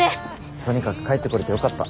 とにかく帰ってこれてよかった。